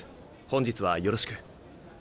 本日はよろしく。